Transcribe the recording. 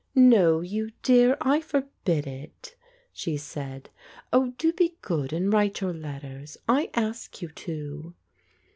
"No, you dear, I forbid it," she said. "Oh, do be good, and write your letters. I ask you to."